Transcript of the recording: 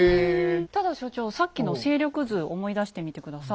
ただ所長さっきの勢力図思い出してみて下さい。